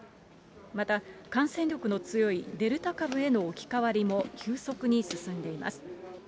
また感染力の強いデルタ株への置き換わりも急速に進んでいます。